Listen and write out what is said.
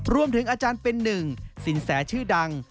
รวมถึงอาจารย์เป็นหนึ่งสินแสชื่อดัง